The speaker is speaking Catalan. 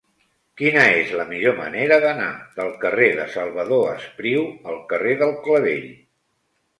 Quina és la millor manera d'anar del carrer de Salvador Espriu al carrer del Clavell?